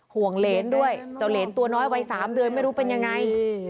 ห่วงเหรนด้วยเจ้าเหรนตัวน้อยวัย๓เดือนไม่รู้เป็นยังไง